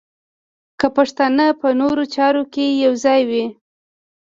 که پښتانه په نورو چارو کې یو ځای وای.